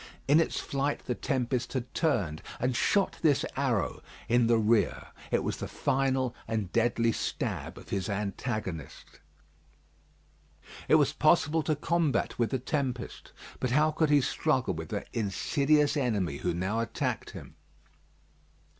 In its flight the tempest had turned and shot this arrow in the rear. It was the final and deadly stab of his antagonist. It was possible to combat with the tempest, but how could he struggle with that insidious enemy who now attacked him.